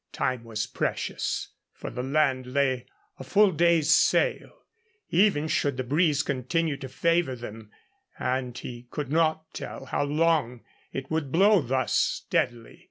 Time was precious, for the land lay a full day's sail, even should the breeze continue to favor them, and he could not tell how long it would blow thus steadily.